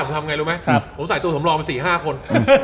ทำไงรู้ไหมผมใส่ตัวสำรองมา๔๕คน